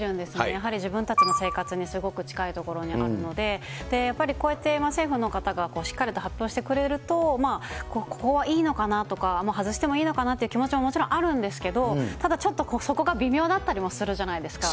やはり自分たちの生活にすごく近いところにあるので、やっぱりこうやって、今、政府の方がしっかりと発表してくれると、ここはいいのかなとか、外してもいいのかなっていう気持ちも、もちろんあるんですけど、ただちょっとそこが微妙だったりもするじゃないですか。